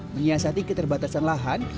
menyiasati keterbatasan lahan